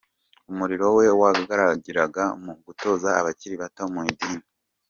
Umurimo we wagaragariraga mu gutoza abakiri bato mu idini.